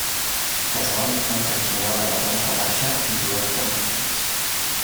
Casal en cantonada de planta baixa i dues plantes pis.